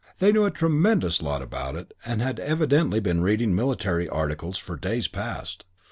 They knew a tremendous lot about it and had evidently been reading military articles for days past.